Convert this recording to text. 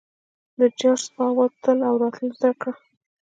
د جرس په اوزا تلل او راتلل زده کړه.